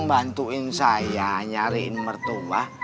bantuin saya nyariin mertua